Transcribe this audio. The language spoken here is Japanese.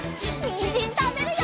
にんじんたべるよ！